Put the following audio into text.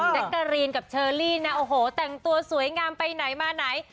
แจ๊กกะรีนกับเชอรี่นะโอ้โหแต่งตัวสวยงามไปไหนมาไหน